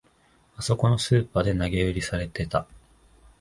あそこのスーパーで投げ売りされてた